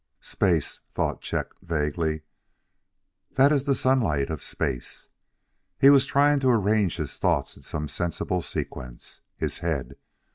"Space," thought Chet vaguely. "That is the sunlight of space!" He was trying to arrange his thoughts in some sensible sequence. His head!